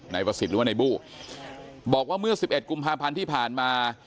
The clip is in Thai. นายประสิทธิ์หรือว่าในบู้บอกว่าเมื่อ๑๑กุมภาพันธ์ที่ผ่านมา